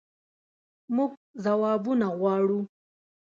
مونږ ځوابونه غواړو